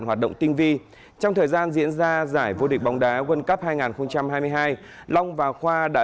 hoạt động tinh vi trong thời gian diễn ra giải vô địch bóng đá world cup hai nghìn hai mươi hai long và khoa đã